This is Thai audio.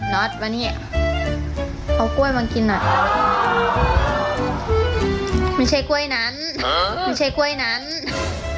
นอทมาเนี่ยเอากล้วยมากินหน่อย